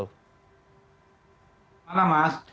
selamat malam mas